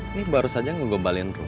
ini baru saja ngegombalin rom